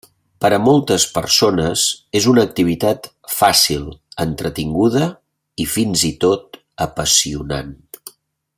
Per a moltes persones és una activitat fàcil, entretinguda i fins i tot apassionant.